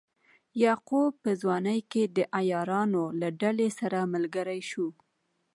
یعقوب په ځوانۍ کې د عیارانو له ډلې سره ملګری شو.